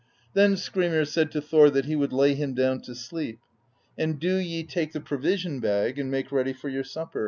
Then Skrymir said to Thor that he would lay him down to sleep, — 'and do ye take the provision bag and make ready for your supper.'